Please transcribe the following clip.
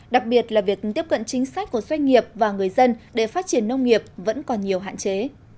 đặc biệt là việc tiếp cận chính sách của doanh nghiệp và người dân để phát triển nông nghiệp vẫn còn nhiều hạn chế